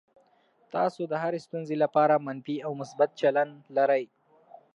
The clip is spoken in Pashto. تاسو د هرې ستونزې لپاره منفي او مثبت چلند لرئ.